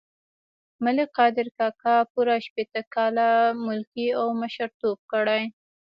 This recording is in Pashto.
ملک قادر کاکا پوره شپېته کاله ملکي او مشرتوب کړی.